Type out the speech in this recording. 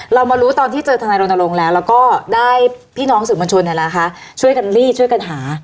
เรามารู้ตอนที่เจอธนาลงแล้วก็ได้พี่น้องสื่อมนชนนี่แหละคะช่วยกันรีดช่วยกันหา